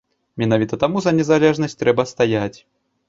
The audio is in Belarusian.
Менавіта таму за незалежнасць трэба стаяць.